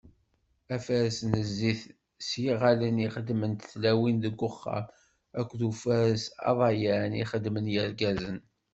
Afares n zzit s yiγallen i xeddment-t tlawin deg uxxam akked ufares anḍayan i xeddmen yirgazen.